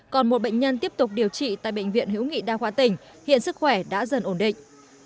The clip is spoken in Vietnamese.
còn một bệnh nhân tiếp tục điều trị tại bệnh viện hữu nghị đa khoa tỉnh hiện sức khỏe đã dần ổn định